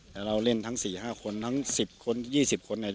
แต่เราเล่นทั้งสี่ห้าคนทั้งสิบคนยี่สิบคนไหน